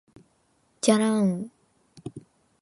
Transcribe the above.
じゃらんーーーーー